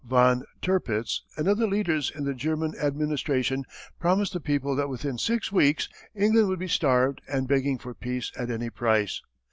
Von Tirpitz and other leaders in the German administration promised the people that within six weeks England would be starved and begging for peace at any price.